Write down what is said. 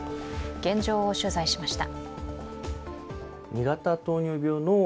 現状を取材しました。